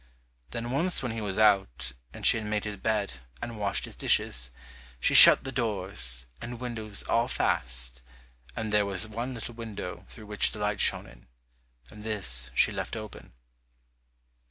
Then once when he was out, and she had made his bed and washed his dishes, she shut the doors and windows all fast, and there was one little window through which the light shone in, and this she left open.